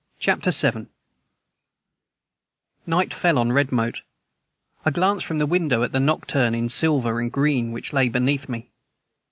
CHAPTER VII NIGHT fell on Redmoat. I glanced from the window at the nocturne in silver and green which lay beneath me.